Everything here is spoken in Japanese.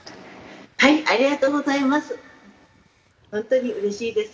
ありがとうございます。